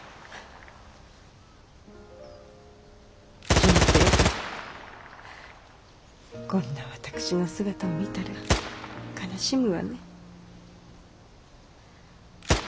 純平がこんな私の姿を見たら悲しむわね。